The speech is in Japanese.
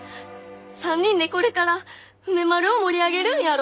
３人でこれから梅丸を盛り上げるんやろ！